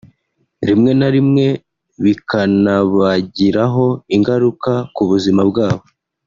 rimwe na rimwe bikanabagiraho ingaruka ku buzima bwabo"